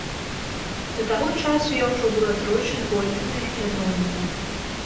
Да таго часу я ўжо была тройчы звольненая і адноўленая.